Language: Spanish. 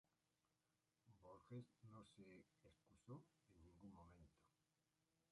Voorhees no se excusó en ningún momento.